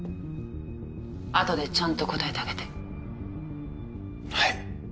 あとでちゃんと答えてあげてはい